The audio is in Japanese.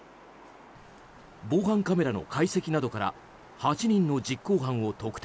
防犯カメラの解析などから８人の実行犯を特定。